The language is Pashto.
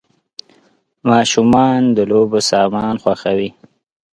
ماشومان د لوبو سامان خوښوي .